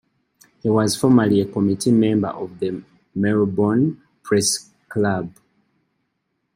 He was formerly a committee member of the Melbourne Press Club.